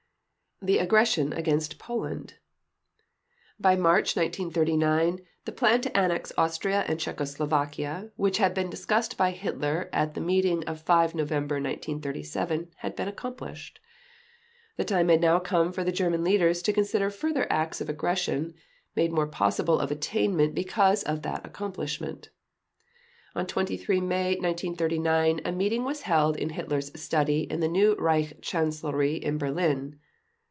The Aggression against Poland By March 1939 the plan to annex Austria and Czechoslovakia, which had been discussed by Hitler at the meeting of 5 November 1937, had been accomplished. The time had now come for the German leaders to consider further acts of aggression, made more possible of attainment because of that accomplishment. On 23 May 1939 a meeting was held in Hitler's study in the new Reich Chancellery in Berlin.